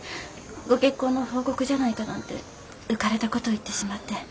ご結婚の報告じゃないかなんて浮かれた事を言ってしまって。